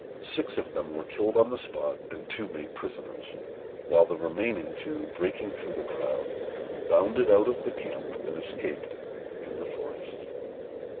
Six of them were killed on the spot, and two made prisoners; while the remaining two, breaking through the crowd, bounded out of the camp and escaped in the forest.